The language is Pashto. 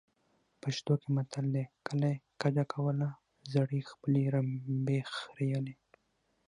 پښتو کې متل دی. کلی کډه کوله زړې خپلې رمبې خریلې.